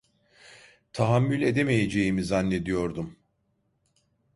Tahammül edemeyeceğimi zannediyordum.